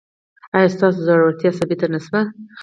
ایا ستاسو زړورتیا ثابته نه شوه؟